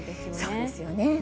そうですよね。